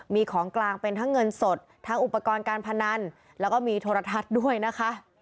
มีของกลางเป็นทั้งเงินสดทั้งอุปกรณ์การพนันแล้วก็มีโทรทัศน์ด้วยนะคะ